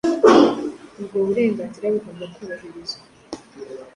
ubwo burenganzira bugomba kubahirizwa,